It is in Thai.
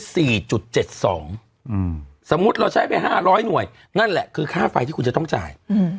สมมุติว่าเราใช้ไป๕๐๐หน่วยนั่นแหละคือค่าไฟที่คุณจะต้องจ่าย